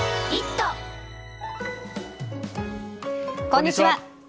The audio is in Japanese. こんにちは。